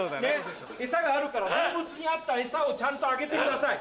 餌があるから動物に合った餌をちゃんとあげてください。